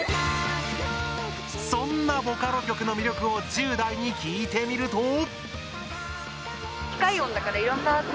そんなボカロ曲の魅力を１０代に聞いてみると。